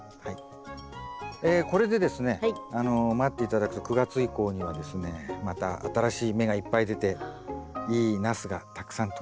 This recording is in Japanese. これでですね待って頂くと９月以降にはですねまた新しい芽がいっぱい出ていいナスがたくさんとれると思いますんで。